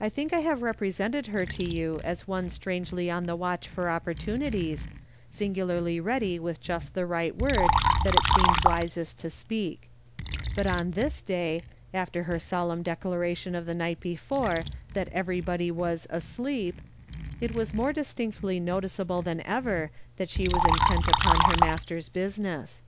I tlunk I have represented her to you as one strangely on the watch for opportunities, singularly ready with just the word that it seemed wisest to speak ; but on this day, after her solemn declaration of the night before that everybody was "asleep", it was more distinctly noticeable than ever that she "yOO"r£ HELPED ALONG IN THIS IVORKr 237 was intent upon her Master's business.